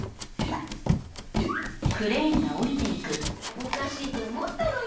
おかしいと思ったのよ。